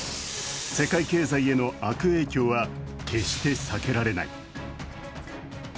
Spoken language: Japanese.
世界経済への悪影響は決して避けられない。